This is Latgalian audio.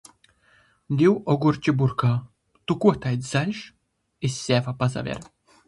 Div ogurči burkā: - Tu kuo taids zaļš!? Iz seva pasaver!